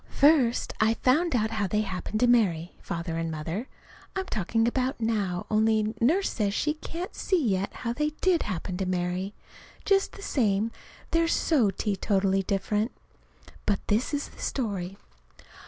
First I found out how they happened to marry Father and Mother, I'm talking about now only Nurse says she can't see yet how they did happen to marry, just the same, they're so teetotally different. But this is the story.